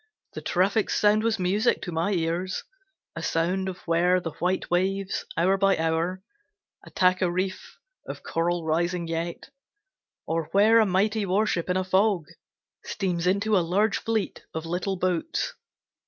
The traffic's sound was music to my ears; A sound of where the white waves, hour by hour, Attack a reef of coral rising yet; Or where a mighty warship in a fog, Steams into a large fleet of little boats.